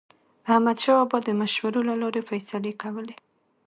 احمدشاه بابا به د مشورو له لارې فیصلې کولې.